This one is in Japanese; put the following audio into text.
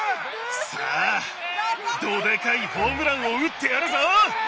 さあどでかいホームランを打ってやるぞ！